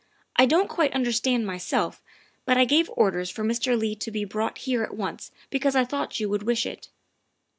I don't quite understand myself, but I gave orders for Mr. Leigh to be brought here at once because I thought you would wish it."